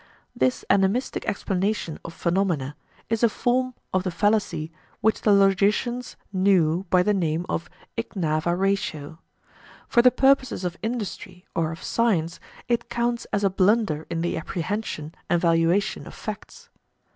This animistic explanation of phenomena is a form of the fallacy which the logicians knew by the name of ignava ratio. For the purposes of industry or of science it counts as a blunder in the apprehension and valuation of facts.